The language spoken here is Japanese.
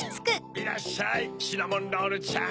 いらっしゃいシナモンロールちゃん。